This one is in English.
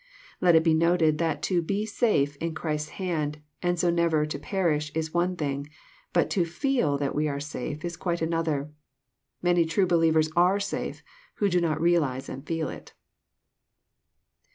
Let it be noted, that to ftesa ife in Christ's hand, and so never to perish, is one thing ; but to feel^ that we are safe is quite another. Many true believers ar^n^afe, who do not realize and feel it.